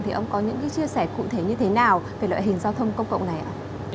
thì ông có những chia sẻ cụ thể như thế nào về loại hình giao thông công cộng này ạ